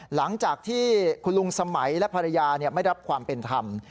หลังจากที่คุณลุงสมัยและภรรยาไม่รับความเป็นธรรม